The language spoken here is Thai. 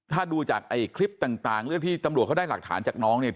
ถ้าดูจากคลิปต่างที่ตำรวจเขาได้หลักฐานจากน้อง